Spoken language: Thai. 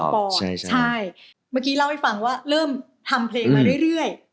ใช่เมื่อกี้เล่าให้ฟังว่าเริ่มทำเพลงมาเรื่อย